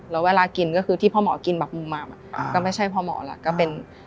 แล้วเวลากินก็คือที่พ่อหมอกินแบบมุมหม่ำก็ไม่ใช่พ่อหมอแล้วก็เป็น